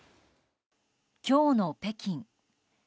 今日の北京。